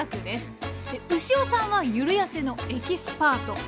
で牛尾さんはゆるやせのエキスパート。